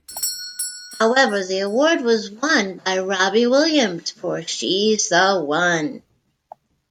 However, the award was won by Robbie Williams for "She's the One".